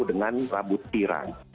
dengan rambut tiran